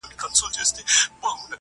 • خدایه چي د مرگ فتواوي ودروي نور.